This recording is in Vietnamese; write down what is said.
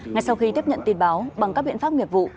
ngay sau khi tiếp nhận tin báo bằng các biện pháp nghiệp vụ